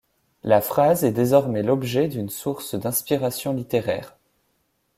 La phrase est désormais l'objet d'une source d'inspiration littéraire.